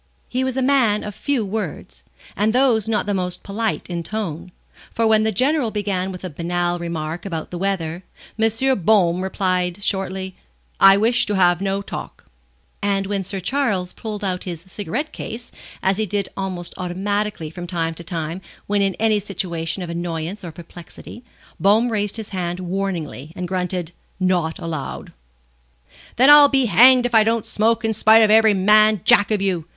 He was a man of few words, and those not the most polite in tone, for when the General began with a banal remark about the weather, M. Baume replied, shortly: "I wish to have no talk;" and when Sir Charles pulled out his cigarette case, as he did almost automatically from time to time when in any situation of annoyance or perplexity, Baume raised his hand warningly and grunted: "Not allowed." "Then I'll be hanged if I don't smoke in spite of every man jack of you!"